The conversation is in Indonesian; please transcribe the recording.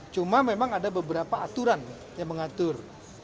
cuma memang ada beberapa aturan yang mengatur